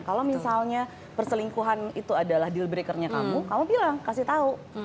kalau misalnya perselingkuhan itu adalah deal breakernya kamu kamu bilang kasih tahu